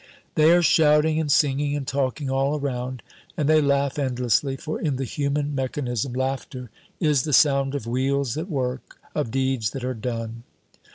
They are shouting and singing and talking all around. And they laugh endlessly, for in the human mechanism laughter is the sound of wheels that work, of deeds that are done.